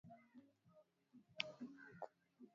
moja tano saba nne saba utuambie